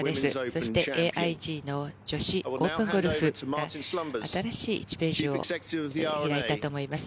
そしてＡＩＧの女子オープンゴルフが新しい１ページを開いたと思います。